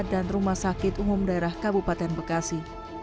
dan rumah sakit umum daerah kabupaten bekasi